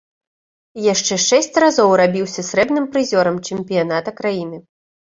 Яшчэ шэсць разоў рабіўся срэбным прызёрам чэмпіяната краіны.